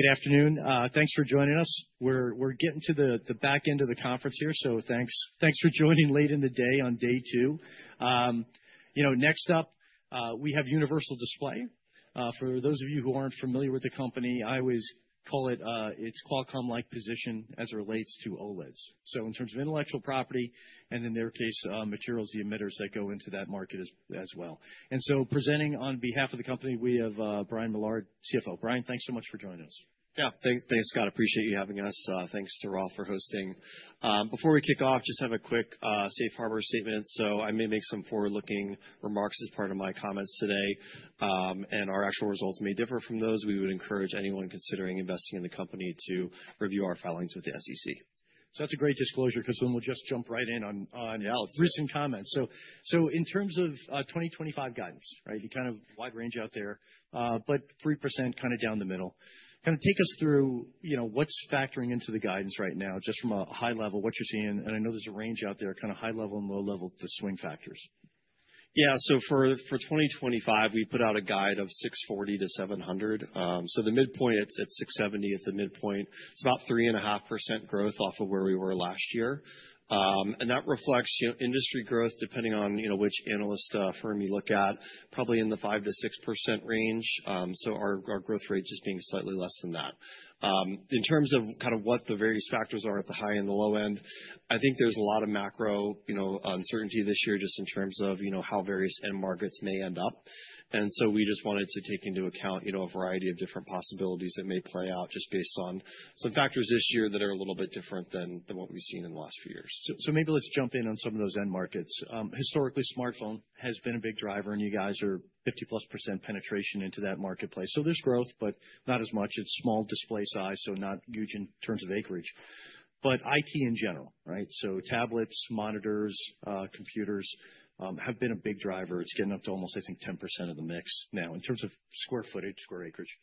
Good afternoon. Thanks for joining us. We're getting to the back end of the conference here, so thanks for joining late in the day on day two. You know, next up, we have Universal Display. For those of you who aren't familiar with the company, I always call it its Qualcomm-like position as it relates to OLEDs. In terms of intellectual property and, in their case, materials, the emitters that go into that market as well. Presenting on behalf of the company, we have Brian Millard, CFO. Brian, thanks so much for joining us. Yeah, thanks, Scott. Appreciate you having us. Thanks to Roth for hosting. Before we kick off, just have a quick safe harbor statement. I may make some forward-looking remarks as part of my comments today, and our actual results may differ from those. We would encourage anyone considering investing in the company to review our filings with the SEC. That's a great disclosure, 'cause then we'll just jump right in on, on. Yeah, let's do it. Recent comments. In terms of 2025 guidance, right? You kind of wide range out there, but 3% kind of down the middle. Kind of take us through, you know, what's factoring into the guidance right now, just from a high level, what you're seeing. I know there's a range out there, kind of high level and low level, the swing factors. Yeah, for 2025, we put out a guide of $640 million-$700 million. The midpoint, it's $670 million at the midpoint. It's about 3.5% growth off of where we were last year. That reflects, you know, industry growth, depending on, you know, which analyst firm you look at, probably in the 5%-6% range. Our growth rate just being slightly less than that. In terms of what the various factors are at the high and the low end, I think there's a lot of macro, you know, uncertainty this year just in terms of, you know, how various end markets may end up. We just wanted to take into account, you know, a variety of different possibilities that may play out just based on some factors this year that are a little bit different than what we've seen in the last few years. Maybe let's jump in on some of those end markets. Historically, smartphone has been a big driver, and you guys are 50%+ penetration into that marketplace. There's growth, but not as much. It's small display size, so not huge in terms of acreage. IT in general, right? Tablets, monitors, computers, have been a big driver. It's getting up to almost, I think, 10% of the mix now in terms of square footage, square acreage.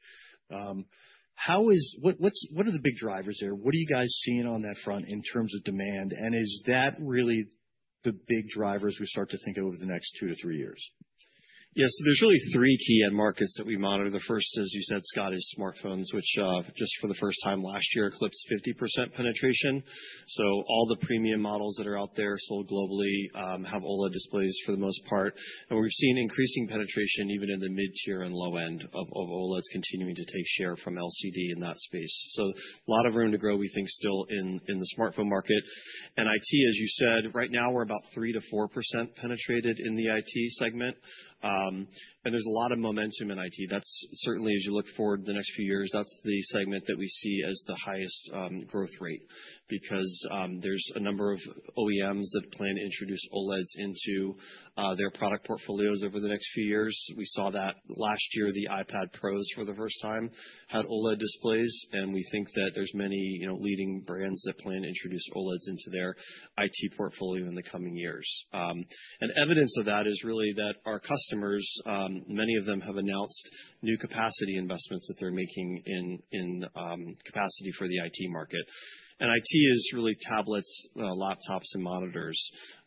How is what, what's, what are the big drivers there? What are you guys seeing on that front in terms of demand? Is that really the big drivers we start to think of over the next two to three years? Yeah, so there's really three key end markets that we monitor. The first, as you said, Scott, is smartphones, which, just for the first time last year, eclipsed 50% penetration. All the premium models that are out there sold globally have OLED displays for the most part. We've seen increasing penetration even in the mid-tier and low end of OLEDs continuing to take share from LCD in that space. A lot of room to grow, we think, still in the smartphone market. IT, as you said, right now, we're about 3%-4% penetrated in the IT segment. There's a lot of momentum in IT. That's certainly, as you look forward the next few years, that's the segment that we see as the highest growth rate, because there's a number of OEMs that plan to introduce OLEDs into their product portfolios over the next few years. We saw that last year, the iPad Pros for the first time had OLED displays. And we think that there's many, you know, leading brands that plan to introduce OLEDs into their IT portfolio in the coming years. Evidence of that is really that our customers, many of them have announced new capacity investments that they're making in capacity for the IT market. IT is really tablets, laptops, and monitors.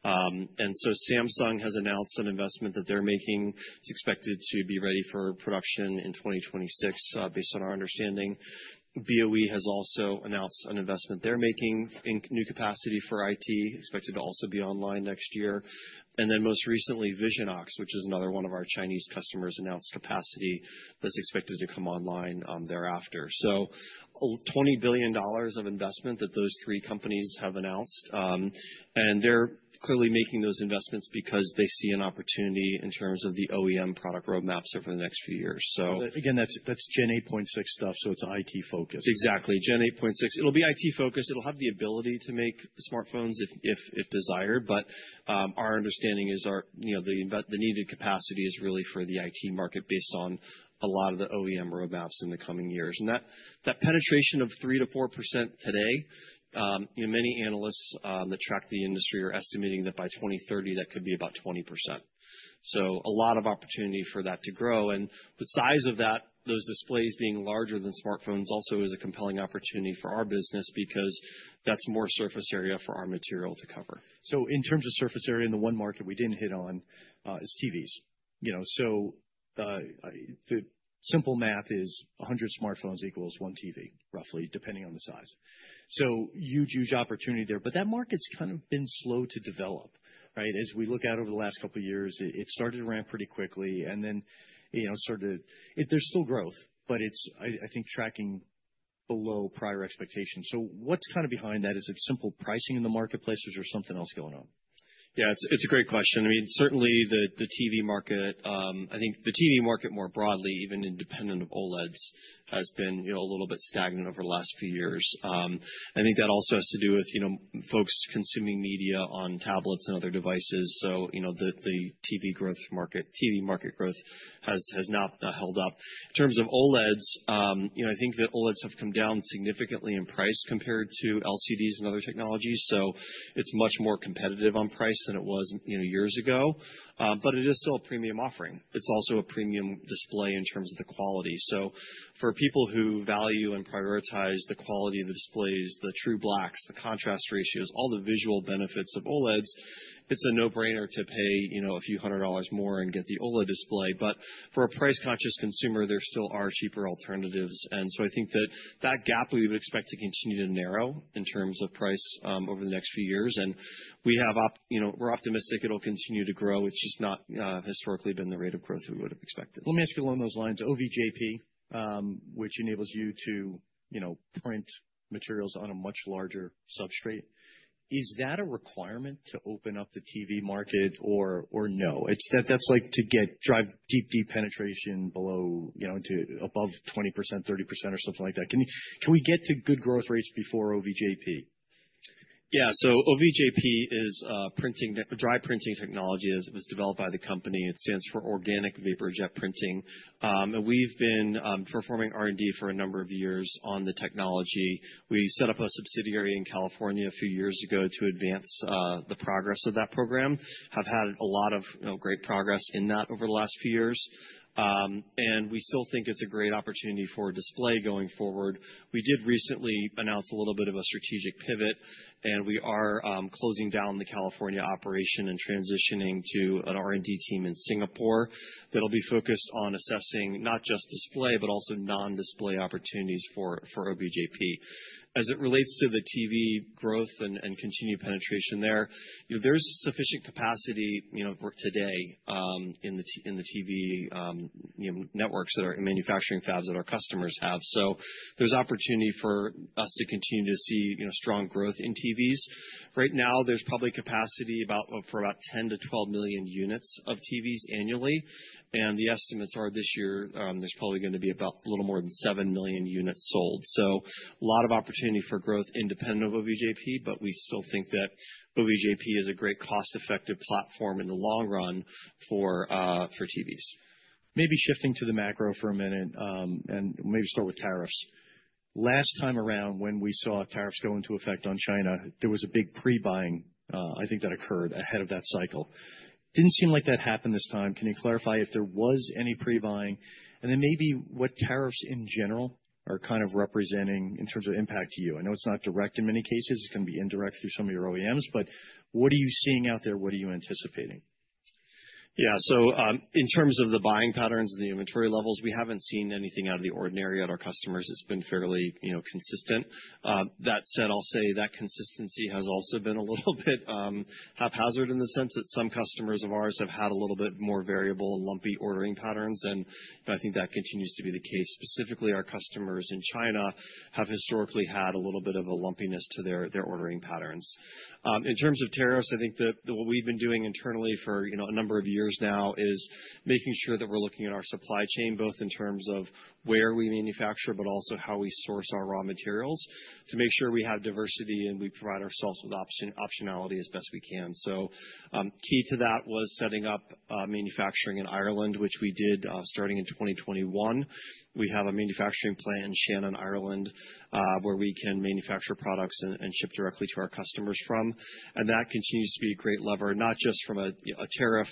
Samsung has announced an investment that they're making. It's expected to be ready for production in 2026, based on our understanding. BOE has also announced an investment they're making in new capacity for IT, expected to also be online next year. Most recently, Visionox, which is another one of our Chinese customers, announced capacity that's expected to come online thereafter. $20 billion of investment that those three companies have announced. They're clearly making those investments because they see an opportunity in terms of the OEM product roadmaps over the next few years. Again, that's Gen 8.6 stuff, so it's IT-focused. Exactly. Gen 8.6. It'll be IT-focused. It'll have the ability to make smartphones if desired. Our understanding is the needed capacity is really for the IT market based on a lot of the OEM roadmaps in the coming years. That penetration of 3%-4% today, you know, many analysts that track the industry are estimating that by 2030, that could be about 20%. A lot of opportunity for that to grow. The size of those displays being larger than smartphones also is a compelling opportunity for our business because that's more surface area for our material to cover. In terms of surface area in the one market we didn't hit on, is TVs. You know, the simple math is 100 smartphones equals one TV, roughly, depending on the size. Huge, huge opportunity there. That market's kind of been slow to develop, right? As we look at over the last couple of years, it started to ramp pretty quickly and then, you know, started to, there's still growth, but it's, I think, tracking below prior expectations. What's kind of behind that? Is it simple pricing in the marketplace, or is there something else going on? Yeah, it's a great question. I mean, certainly, the TV market, I think the TV market more broadly, even independent of OLEDs, has been, you know, a little bit stagnant over the last few years. I think that also has to do with, you know, folks consuming media on tablets and other devices. You know, the TV growth market, TV market growth has not held up. In terms of OLEDs, you know, I think that OLEDs have come down significantly in price compared to LCDs and other technologies. It's much more competitive on price than it was, you know, years ago. It is still a premium offering. It's also a premium display in terms of the quality. For people who value and prioritize the quality of the displays, the true blacks, the contrast ratios, all the visual benefits of OLEDs, it's a no-brainer to pay, you know, a few hundred dollars more and get the OLED display. For a price-conscious consumer, there still are cheaper alternatives. I think that that gap we would expect to continue to narrow in terms of price over the next few years. We have, you know, we're optimistic it'll continue to grow. It's just not, historically, been the rate of growth we would have expected. Let me ask you along those lines. OVJP, which enables you to, you know, print materials on a much larger substrate. Is that a requirement to open up the TV market or, or no? That's like to get drive, deep, deep penetration below, you know, to above 20%, 30%, or something like that. Can you, can we get to good growth rates before OVJP? Yeah. OVJP is printing, dry printing technology that was developed by the company. It stands for Organic Vapor Jet Printing, and we've been performing R&D for a number of years on the technology. We set up a subsidiary in California a few years ago to advance the progress of that program. Have had a lot of, you know, great progress in that over the last few years, and we still think it's a great opportunity for display going forward. We did recently announce a little bit of a strategic pivot, and we are closing down the California operation and transitioning to an R&D team in Singapore that'll be focused on assessing not just display, but also non-display opportunities for, for OVJP. As it relates to the TV growth and, and continued penetration there, you know, there's sufficient capacity, you know, for today, in the, in the TV, you know, networks that are manufacturing fabs that our customers have. There's opportunity for us to continue to see, you know, strong growth in TVs. Right now, there's probably capacity for about 10 to 12 million units of TVs annually. The estimates are this year, there's probably going to be about a little more than 7 million units sold. A lot of opportunity for growth independent of OVJP, but we still think that OVJP is a great cost-effective platform in the long run for, for TVs. Maybe shifting to the macro for a minute, and maybe start with tariffs. Last time around when we saw tariffs go into effect on China, there was a big pre-buying, I think that occurred ahead of that cycle. Did not seem like that happened this time. Can you clarify if there was any pre-buying? What tariffs in general are kind of representing in terms of impact to you? I know it is not direct in many cases. It is going to be indirect through some of your OEMs. What are you seeing out there? What are you anticipating? Yeah. In terms of the buying patterns and the inventory levels, we haven't seen anything out of the ordinary at our customers. It's been fairly, you know, consistent. That said, I'll say that consistency has also been a little bit haphazard in the sense that some customers of ours have had a little bit more variable and lumpy ordering patterns. You know, I think that continues to be the case. Specifically, our customers in China have historically had a little bit of a lumpiness to their ordering patterns. In terms of tariffs, I think that what we've been doing internally for, you know, a number of years now is making sure that we're looking at our supply chain, both in terms of where we manufacture, but also how we source our raw materials to make sure we have diversity and we provide ourselves with optionality as best we can. Key to that was setting up manufacturing in Ireland, which we did, starting in 2021. We have a manufacturing plant in Shannon, Ireland, where we can manufacture products and ship directly to our customers from. That continues to be a great lever, not just from a, you know, a tariff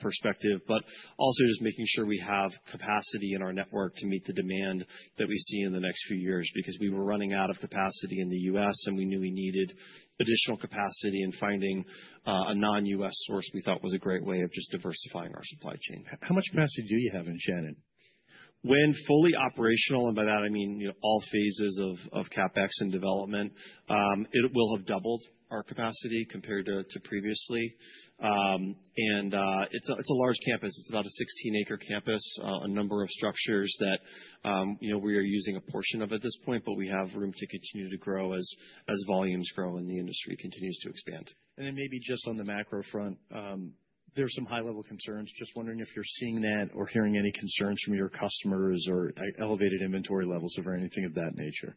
perspective, but also just making sure we have capacity in our network to meet the demand that we see in the next few years. Because we were running out of capacity in the U.S., and we knew we needed additional capacity and finding, a non-U.S. source we thought was a great way of just diversifying our supply chain. How much capacity do you have in Shannon? When fully operational, and by that I mean, you know, all phases of CapEx and development, it will have doubled our capacity compared to previously. It's a large campus. It's about a 16 acre campus, a number of structures that, you know, we are using a portion of at this point, but we have room to continue to grow as volumes grow and the industry continues to expand. Maybe just on the macro front, there's some high-level concerns. Just wondering if you're seeing that or hearing any concerns from your customers or elevated inventory levels or anything of that nature.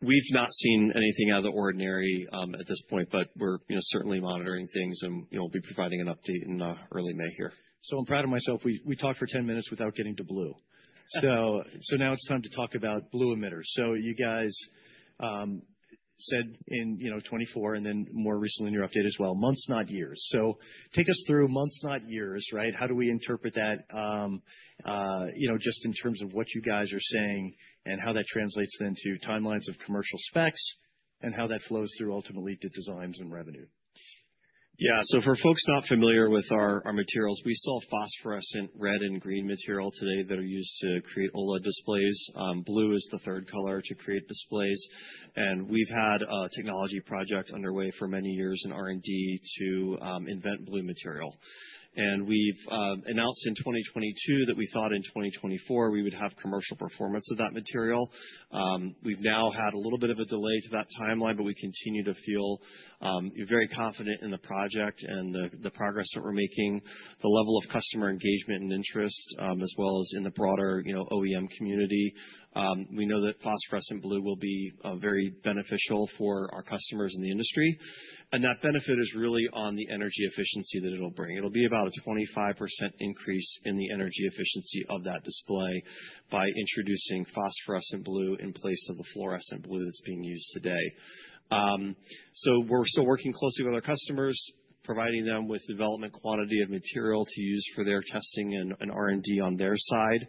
We've not seen anything out of the ordinary at this point, but we're, you know, certainly monitoring things and, you know, we'll be providing an update in early May here. I'm proud of myself. We talked for 10 minutes without getting to blue. Now it's time to talk about blue emitters. You guys said in, you know, 2024 and then more recently in your update as well, months, not years. Take us through months, not years, right? How do we interpret that, you know, just in terms of what you guys are saying and how that translates then to timelines of commercial specs and how that flows through ultimately to designs and revenue? Yeah. For folks not familiar with our materials, we sell phosphorescent red and green material today that are used to create OLED displays. Blue is the third color to create displays. We've had a technology project underway for many years in R&D to invent blue material. We announced in 2022 that we thought in 2024 we would have commercial performance of that material. We've now had a little bit of a delay to that timeline, but we continue to feel very confident in the project and the progress that we're making, the level of customer engagement and interest, as well as in the broader, you know, OEM community. We know that phosphorescent blue will be very beneficial for our customers in the industry. That benefit is really on the energy efficiency that it'll bring. It'll be about a 25% increase in the energy efficiency of that display by introducing phosphorescent blue in place of the fluorescent blue that's being used today. We're still working closely with our customers, providing them with development quantity of material to use for their testing and R&D on their side.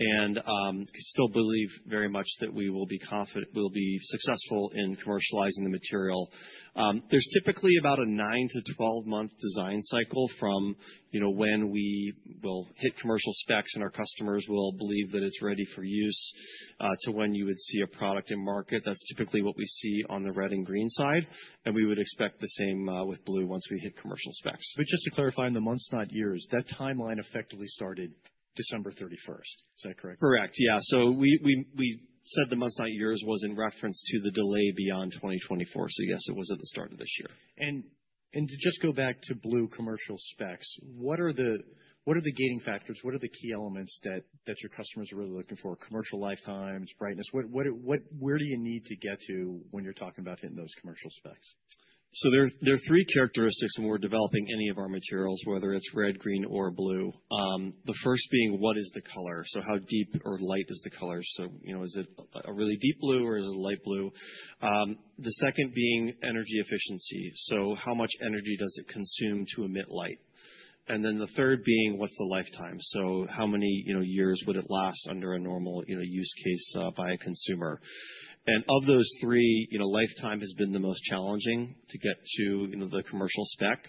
We still believe very much that we will be confident, we'll be successful in commercializing the material. There's nine to 12 month design cycle from, you know, when we will hit commercial specs and our customers will believe that it's ready for use, to when you would see a product in market. That's typically what we see on the red and green side. We would expect the same, with blue once we hit commercial specs. Just to clarify, in the months, not years, that timeline effectively started December 31st. Is that correct? Correct. Yeah. We said the months, not years was in reference to the delay beyond 2024. Yes, it was at the start of this year. To just go back to blue commercial specs, what are the, what are the gating factors? What are the key elements that your customers are really looking for? Commercial lifetimes, brightness? What, what, where do you need to get to when you're talking about hitting those commercial specs? There are three characteristics when we're developing any of our materials, whether it's red, green, or blue. The first being, what is the color? How deep or light is the color? You know, is it a really deep blue or is it a light blue? The second being energy efficiency. How much energy does it consume to emit light? The third being, what's the lifetime? How many, you know, years would it last under a normal, you know, use case by a consumer? Of those three, you know, lifetime has been the most challenging to get to, you know, the commercial spec.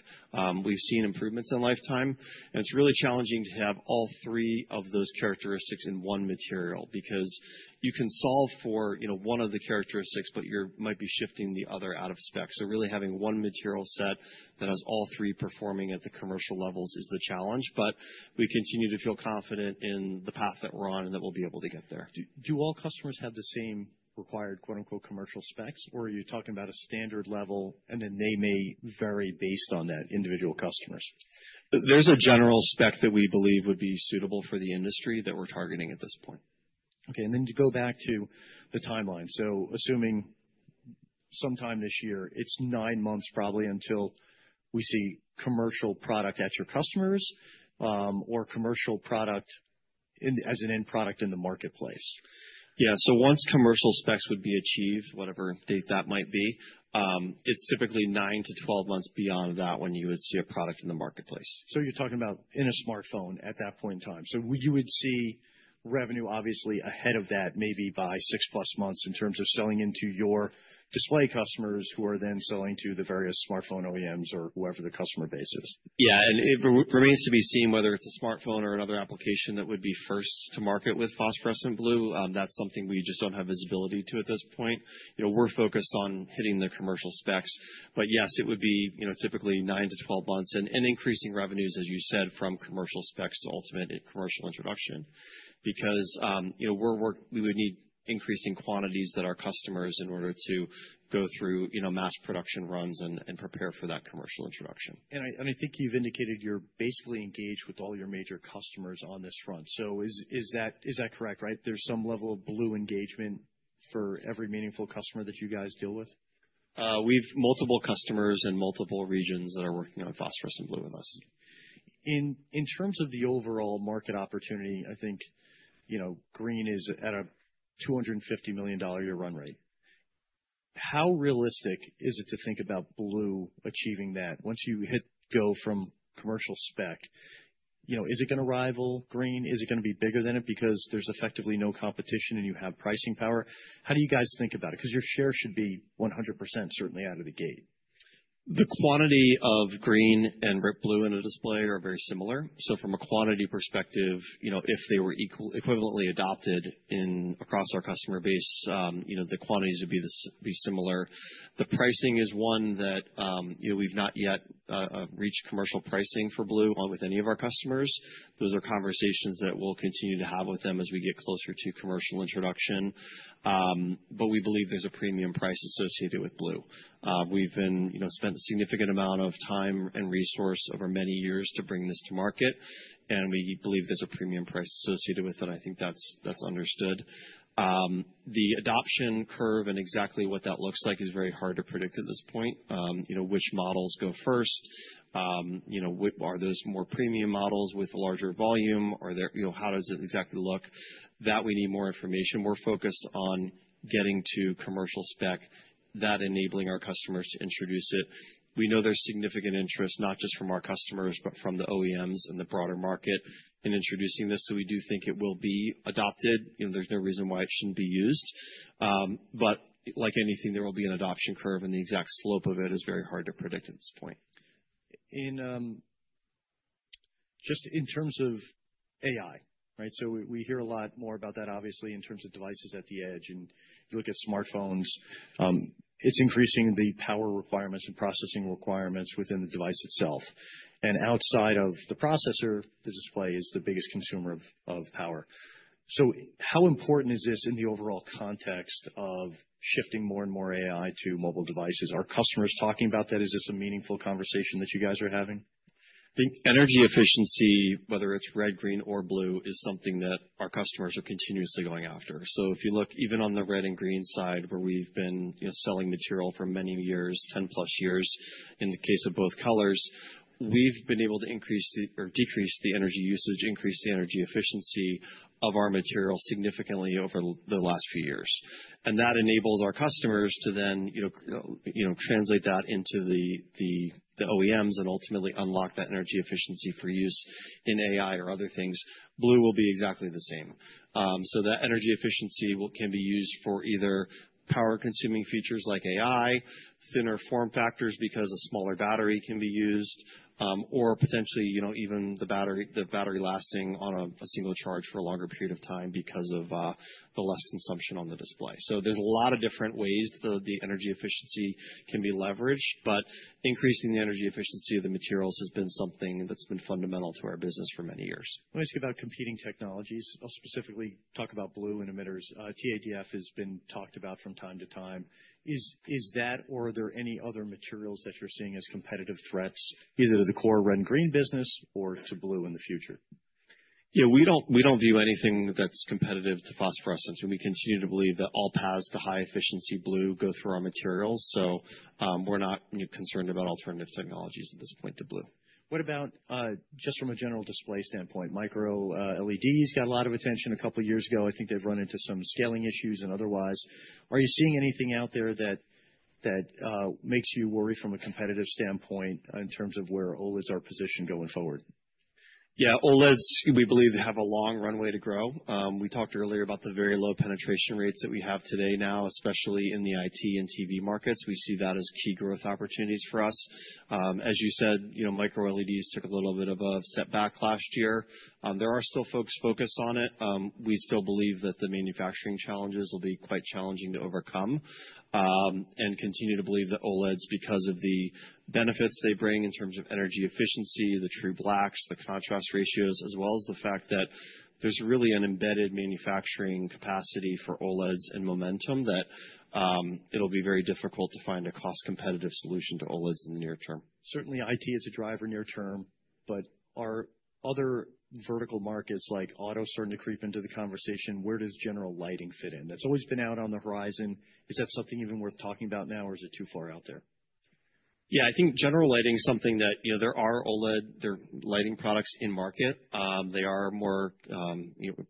We've seen improvements in lifetime. It is really challenging to have all three of those characteristics in one material because you can solve for, you know, one of the characteristics, but you might be shifting the other out of spec. Really having one material set that has all three performing at the commercial levels is the challenge. We continue to feel confident in the path that we're on and that we'll be able to get there. Do all customers have the same required, quote unquote, commercial specs, or are you talking about a standard level and then they may vary based on that individual customers? There's a general spec that we believe would be suitable for the industry that we're targeting at this point. Okay. To go back to the timeline, assuming sometime this year, it's nine months probably until we see commercial product at your customers, or commercial product as an end product in the marketplace. Yeah. Once commercial specs would be achieved, whatever date that might be, it's typically nine to 12 months beyond that when you would see a product in the marketplace. You're talking about in a smartphone at that point in time. You would see revenue obviously ahead of that maybe by six plus months in terms of selling into your display customers who are then selling to the various smartphone OEMs or whoever the customer base is. Yeah. It remains to be seen whether it's a smartphone or another application that would be first to market with phosphorescent blue. That's something we just don't have visibility to at this point. You know, we're focused on hitting the commercial specs. But yes, it would be, you know, typically nine to 12 months and increasing revenues, as you said, from commercial specs to ultimate commercial introduction. Because, you know, we would need increasing quantities at our customers in order to go through mass production runs and prepare for that commercial introduction. I think you've indicated you're basically engaged with all your major customers on this front. Is that correct, right? There's some level of blue engagement for every meaningful customer that you guys deal with? We've multiple customers in multiple regions that are working on phosphorescent blue with us. In terms of the overall market opportunity, I think, you know, green is at a $250 million year run rate. How realistic is it to think about blue achieving that once you hit go from commercial spec? You know, is it going to rival green? Is it going to be bigger than it because there's effectively no competition and you have pricing power? How do you guys think about it? Because your share should be 100% certainly out of the gate. The quantity of green and red blue in a display are very similar. So, from a quantity perspective, you know, if they were equal, equivalently adopted in across our customer base, you know, the quantities would be the, be similar. The pricing is one that, you know, we've not yet reached commercial pricing for blue on with any of our customers. Those are conversations that we'll continue to have with them as we get closer to commercial introduction. But we believe there's a premium price associated with blue. We've been, you know, spent a significant amount of time and resource over many years to bring this to market. And we believe there's a premium price associated with it. I think that's, that's understood. The adoption curve and exactly what that looks like is very hard to predict at this point. You know, which models go first? You know, what are those more premium models with larger volume? Are there, you know, how does it exactly look? That we need more information. We're focused on getting to commercial spec that enabling our customers to introduce it. We know there's significant interest not just from our customers, but from the OEMs and the broader market in introducing this. You know, we do think it will be adopted. You know, there's no reason why it shouldn't be used. Like anything, there will be an adoption curve and the exact slope of it is very hard to predict at this point. In, just in terms of AI, right? We hear a lot more about that, obviously, in terms of devices at the edge. If you look at smartphones, it's increasing the power requirements and processing requirements within the device itself. Outside of the processor, the display is the biggest consumer of power. How important is this in the overall context of shifting more and more AI to mobile devices? Are customers talking about that? Is this a meaningful conversation that you guys are having? The energy efficiency, whether it's red, green, or blue, is something that our customers are continuously going after. If you look even on the red and green side, where we've been, you know, selling material for many years, 10+ years, in the case of both colors, we've been able to increase the, or decrease the energy usage, increase the energy efficiency of our material significantly over the last few years. That enables our customers to then, you know, you know, translate that into the OEMs and ultimately unlock that energy efficiency for use in AI or other things. Blue will be exactly the same. That energy efficiency can be used for either power-consuming features like AI, thinner form factors because a smaller battery can be used, or potentially, you know, even the battery lasting on a single charge for a longer period of time because of the less consumption on the display. There are a lot of different ways the energy efficiency can be leveraged, but increasing the energy efficiency of the materials has been something that's been fundamental to our business for many years. Let me ask you about competing technologies. I'll specifically talk about blue and emitters. TADF has been talked about from time to time. Is that, or are there any other materials that you're seeing as competitive threats, either to the core red and green business or to blue in the future? Yeah, we don't, we don't view anything that's competitive to phosphorescence. We continue to believe that all paths to high-efficiency blue go through our materials. We're not, you know, concerned about alternative technologies at this point to blue. What about, just from a general display standpoint? MicroLEDs got a lot of attention a couple of years ago. I think they've run into some scaling issues and otherwise. Are you seeing anything out there that makes you worry from a competitive standpoint in terms of where OLEDs are positioned going forward? Yeah, OLEDs, we believe have a long runway to grow. We talked earlier about the very low penetration rates that we have today now, especially in the IT and TV markets. We see that as key growth opportunities for us. As you said, you know, microLEDs took a little bit of a setback last year. There are still folks focused on it. We still believe that the manufacturing challenges will be quite challenging to overcome. We continue to believe that OLEDs, because of the benefits they bring in terms of energy efficiency, the true blacks, the contrast ratios, as well as the fact that there's really an embedded manufacturing capacity for OLEDs and momentum, that it'll be very difficult to find a cost-competitive solution to OLEDs in the near term. Certainly, IT is a driver near term, but are other vertical markets like auto starting to creep into the conversation? Where does general lighting fit in? That's always been out on the horizon. Is that something even worth talking about now, or is it too far out there? Yeah, I think general lighting is something that, you know, there are OLED, there are lighting products in market. They are more, you know,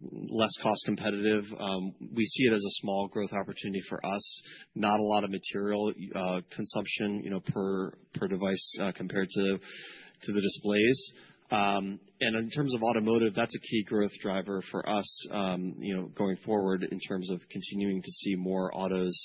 less cost-competitive. We see it as a small growth opportunity for us. Not a lot of material, consumption, you know, per, per device, compared to, to the displays. In terms of automotive, that's a key growth driver for us, you know, going forward in terms of continuing to see more autos,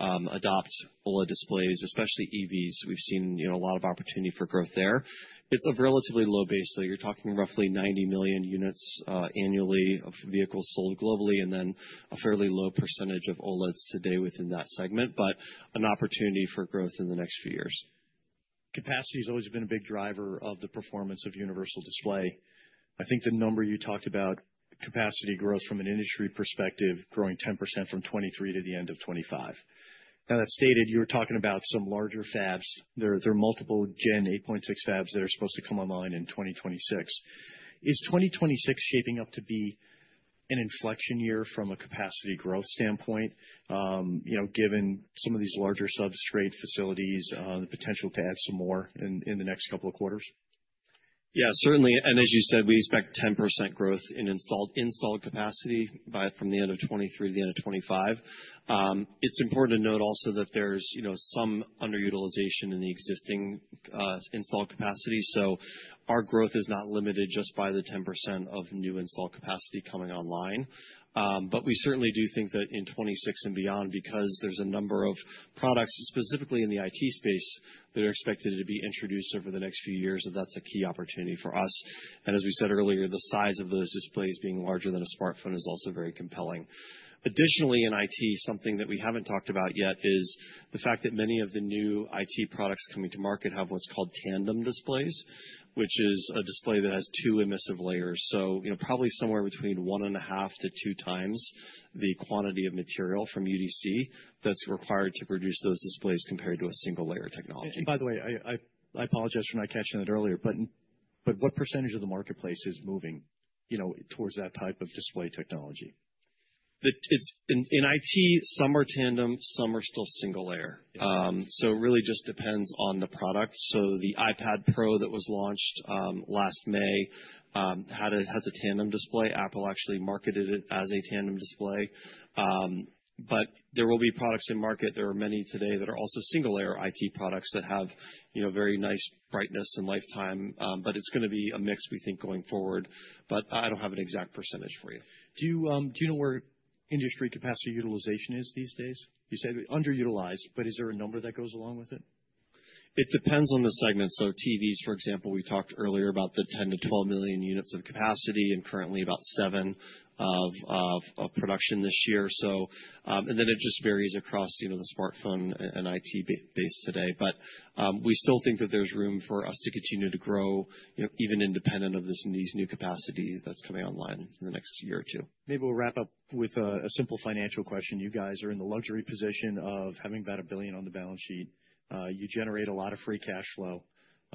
adopt OLED displays, especially EVs. We've seen, you know, a lot of opportunity for growth there. It's a relatively low base there. You're talking roughly 90 million units annually of vehicles sold globally, and then a fairly low percentage of OLEDs today within that segment, but an opportunity for growth in the next few years. Capacity has always been a big driver of the performance of Universal Display. I think the number you talked about, capacity growth from an industry perspective, growing 10% from 2023 to the end of 2025. Now, that stated, you were talking about some larger fabs. There are multiple Gen 8.6 fabs that are supposed to come online in 2026. Is 2026 shaping up to be an inflection year from a capacity growth standpoint, you know, given some of these larger substrate facilities, the potential to add some more in, in the next couple of quarters? Yeah, certainly. As you said, we expect 10% growth in installed capacity from the end of 2023 to the end of 2025. It's important to note also that there's, you know, some underutilization in the existing installed capacity. Our growth is not limited just by the 10% of new installed capacity coming online. We certainly do think that in 2026 and beyond, because there's a number of products specifically in the IT space that are expected to be introduced over the next few years, that's a key opportunity for us. As we said earlier, the size of those displays being larger than a smartphone is also very compelling. Additionally, in IT, something that we haven't talked about yet is the fact that many of the new IT products coming to market have what's called tandem displays, which is a display that has two emissive layers. You know, probably somewhere between 1.5x-2x the quantity of material from UDC that's required to produce those displays compared to a single layer technology. By the way, I apologize for not catching that earlier, but what percentage of the marketplace is moving, you know, towards that type of display technology? It's in IT, some are tandem, some are still single layer. It really just depends on the product. The iPad Pro that was launched last May has a tandem display. Apple actually marketed it as a tandem display. There will be products in market. There are many today that are also single layer IT products that have, you know, very nice brightness and lifetime. It's going to be a mix, we think, going forward. I don't have an exact percentage for you. Do you, do you know where industry capacity utilization is these days? You said underutilized, but is there a number that goes along with it? It depends on the segment. TVs, for example, we talked earlier about the 10 to 12 million units of capacity and currently about seven of production this year. It just varies across, you know, the smartphone and IT base today. We still think that there's room for us to continue to grow, you know, even independent of these new capacity that's coming online in the next year or two. Maybe we'll wrap up with a simple financial question. You guys are in the luxury position of having about $1 billion on the balance sheet. You generate a lot of free cash flow.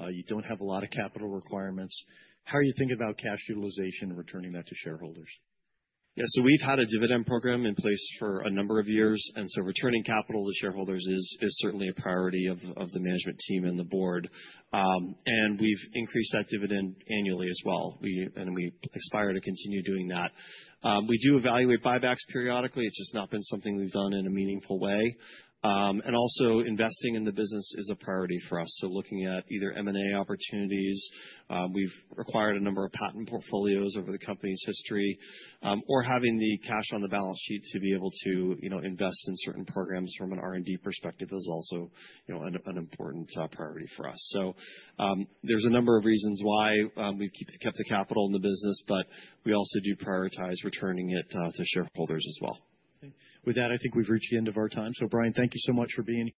You don't have a lot of capital requirements. How are you thinking about cash utilization and returning that to shareholders? Yeah, so we've had a dividend program in place for a number of years. Returning capital to shareholders is certainly a priority of the Management Team and the Board. We've increased that dividend annually as well. We aspire to continue doing that. We do evaluate buybacks periodically. It's just not been something we've done in a meaningful way. Also, investing in the business is a priority for us. Looking at either M&A opportunities, we've acquired a number of patent portfolios over the company's history, or having the cash on the balance sheet to be able to, you know, invest in certain programs from an R&D perspective is also, you know, an important priority for us. There are a number of reasons why we've kept the capital in the business, but we also do prioritize returning it to shareholders as well. With that, I think we've reached the end of our time. Brian, thank you so much for being here.